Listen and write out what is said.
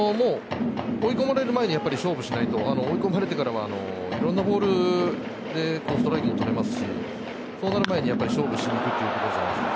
追い込まれる前に勝負しないと追い込まれてからはいろんなボールでストライクも取れますしそうなる前に勝負することですね。